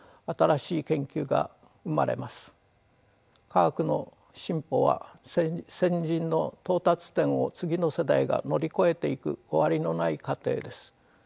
科学の進歩は先人の到達点を次の世代が乗り越えていく終わりのない過程です。